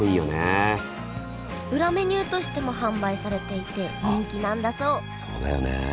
裏メニューとしても販売されていて人気なんだそうそうだよね。